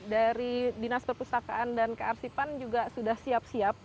dari dinas perpustakaan dan kearsipan juga sudah siap siap